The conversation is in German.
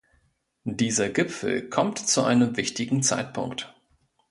Dieser Gipfel kommt zu einem wichtigen Zeitpunkt.